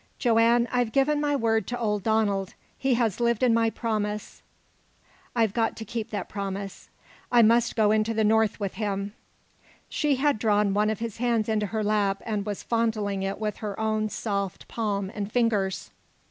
Joanne, I've given my word to old Donald. He has lived in my promise. I've got to keep that promise I must go into the North with him." She had drawn one of his hands into her lap and was fondling it with her own soft palm and fingers.